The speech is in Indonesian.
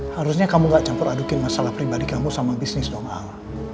harusnya kamu gak campur adukin masalah pribadi kamu sama bisnis doang al